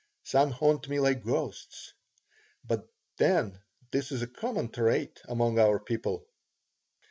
Some haunt me like ghosts. But then this is a common trait among our people.